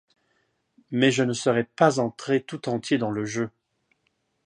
Mais je ne serais pas entré tout entier dans le jeu.